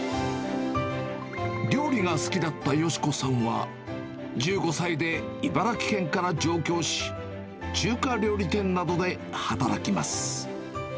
料理が好きだった美子さんは、１５歳で茨城県から上京し、中華料理店などで働きます。